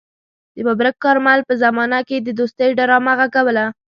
د ببرک کارمل په زمانه کې يې د دوستۍ ډرامه غږوله.